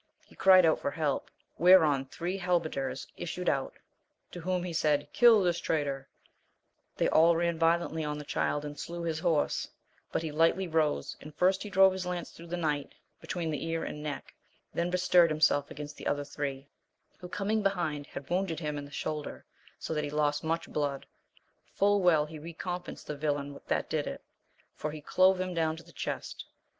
He cried out for help, whereon three halberders issued out, to whom he said Kill this traitor 1 they all ran violently on the Child and slew his horse, but he lightly rose, and first he drove his lance through the knight, between the ear and neck, then bestirred himself against the other three, who coming behind had wounded him in the shoulder, so that he lost much blood, full well he re compensed the villain that did it, for he clove him down to the chest.